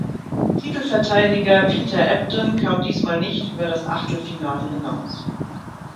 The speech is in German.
Titelverteidiger Peter Ebdon kam diesmal nicht über das Achtelfinale hinaus.